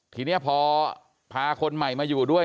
ทีนี้พอพาคนใหม่มาอยู่ด้วย